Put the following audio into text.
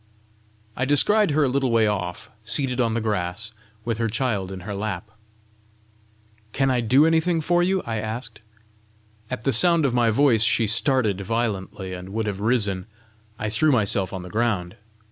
I descried her a little way off, seated on the grass, with her child in her lap. "Can I do anything for you?" I asked. At the sound of my voice she started violently, and would have risen. I threw myself on the ground.